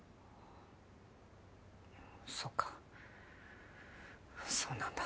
そっかそうなんだ。